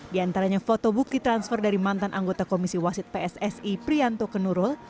di antaranya foto bukti transfer dari mantan anggota komisi wasit pssi prianto ke nurul